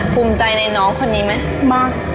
ภูมิใจในน้องคนนี้ไหมมาก